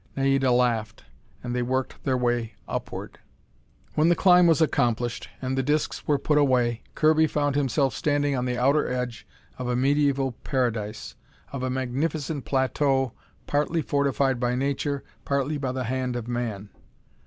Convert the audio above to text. Naida laughed, and they worked their way upward. When the climb was accomplished and the discs were put away, Kirby found himself standing on the outer edge of a mediaeval paradise, of a magnificent plateau partly fortified by nature, partly by the hand of man.